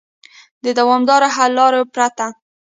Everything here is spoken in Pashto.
د دوامدارو حل لارو پرته